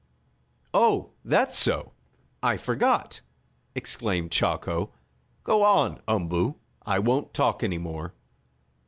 "Oh, that's so! I forgot!" exclaimed Chako. "Go on, Umboo. I won't talk any more."